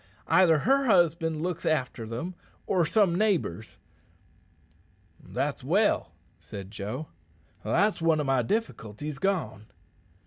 Either her husband looks after them or some neighbours." "That's well," said Joe. "That's one o' my difficulties gone."